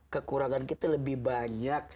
kekurangan kita lebih banyak